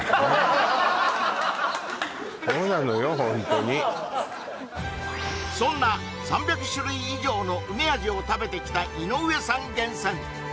ホントにそんな３００種類以上の梅味を食べてきた井上さん厳選！